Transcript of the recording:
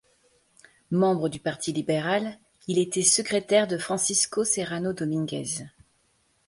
Membre du Parti libéral, il était secrétaire de Francisco Serrano Domínguez.